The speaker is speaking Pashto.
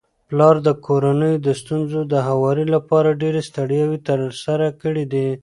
پلار د کورنيو د ستونزو د هواري لپاره ډيري ستړياوي تر سره کړي دي